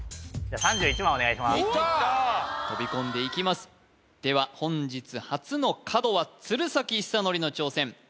いった飛び込んでいきますでは本日初の角は鶴崎修功の挑戦